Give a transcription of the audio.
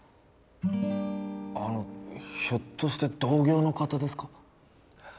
あのひょっとして同業の方ですか？